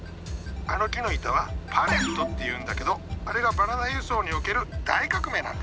あの木の板はパレットっていうんだけどあれがバナナ輸送における大革命なんだ。